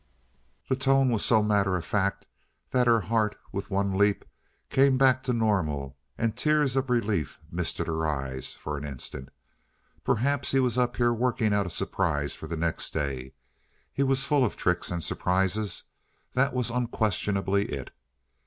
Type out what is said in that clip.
The tone was so matter of fact that her heart, with one leap, came back to normal and tears of relief misted her eyes for an instant. Perhaps he was up here working out a surprise for the next day he was full of tricks and surprises. That was unquestionably it.